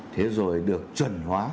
thế rồi được chuẩn hóa